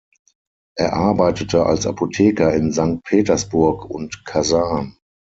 Er arbeitete als Apotheker in Sankt Petersburg und Kasan.